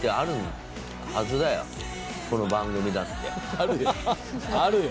あるよあるよ。